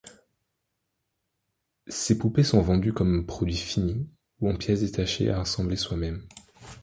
Ces poupées sont vendues comme produits finis, ou en pièces détachées à assembler soi-même.